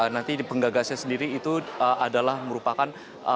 nanti di penggagasnya sendiri itu adalah merupakan